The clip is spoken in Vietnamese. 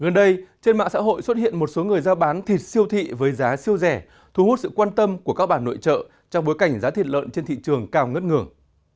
gần đây trên mạng xã hội xuất hiện một số người giao bán thịt siêu thị với giá siêu rẻ thu hút sự quan tâm của các bản nội trợ trong bối cảnh giá thịt lợn trên thị trường cao ngất ngường